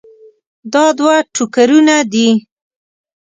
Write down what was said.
دا دوه ټوکرونه دي.